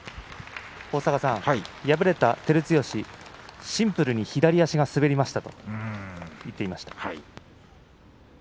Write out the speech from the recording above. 敗れた照強シンプルに左足が滑りましたと言っていました。